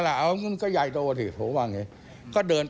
ที่มันก็มีเรื่องที่ดิน